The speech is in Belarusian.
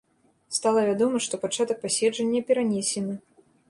Стала вядома, што пачатак паседжання перанесены.